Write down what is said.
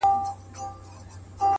هره هڅه راتلونکی بدلولای شي’